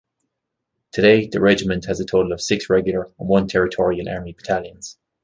Today, the regiment has a total of six regular and one Territorial Army battalions.